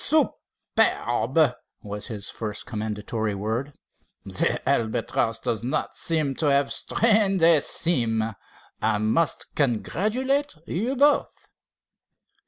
"Superb!" was his first commendatory word. "The Albatross does not seem to have strained a seam. I must congratulate you both."